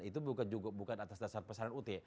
itu bukan atas dasar pesanan ut